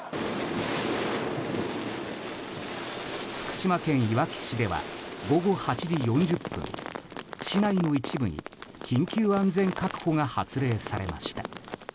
福島県いわき市では午後８時４０分市内の一部に緊急安全確保が発令されました。